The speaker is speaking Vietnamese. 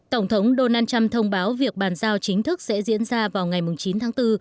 tổng thống donald trump thông báo việc bàn giao chính thức sẽ diễn ra vào ngày chín tháng bốn